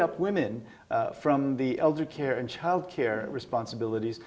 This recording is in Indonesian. anda mungkin mengatakan mereka sebagai